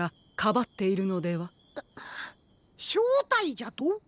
しょうたいじゃと？